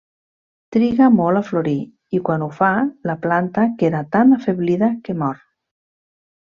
Triga molt a florir i, quan ho fa, la planta queda tan afeblida que mor.